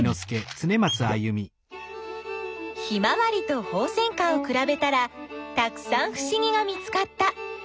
ヒマワリとホウセンカをくらべたらたくさんふしぎが見つかった。